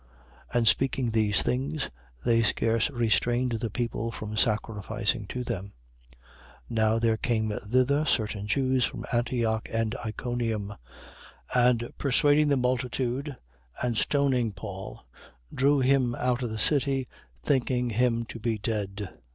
14:17. And speaking these things, they scarce restrained the people from sacrificing to them. 14:18. Now there came thither certain Jews from Antioch and Iconium: and, persuading the multitude and stoning Paul, drew him out of the city, thinking him to be dead.